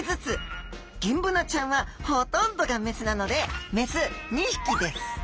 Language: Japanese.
ギンブナちゃんはほとんどが雌なので雌２匹です。